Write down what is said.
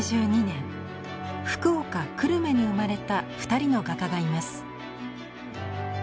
１８８２年福岡久留米に生まれた二人の画家がいます。